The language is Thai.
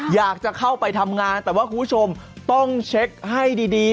อยากจะเข้าไปทำงานแต่ว่าคุณผู้ชมต้องเช็คให้ดี